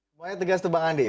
semuanya tegas tuh bang andi